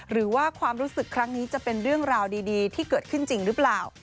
หรือว่าความรู้สึกครั้งนี้จะเป็นเรื่องราวดีที่เกิดขึ้นจริงหรือเปล่า